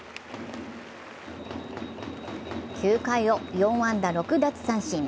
９回を４安打６奪三振。